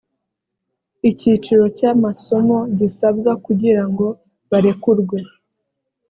icyiciro cy amasomo gisabwa kugira ngo barekurwe